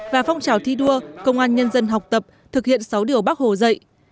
và phong trào thi đua công an nhân dân học tập thực hiện sáu điều bác hồ dạy